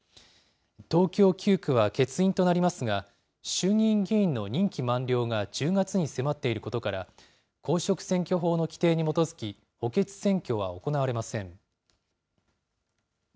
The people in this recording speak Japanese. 東京９区は欠員となりますが、衆議院議員の任期満了が１０月に迫っていることから、公職選挙法の規定に基づき、補欠選挙は行われません。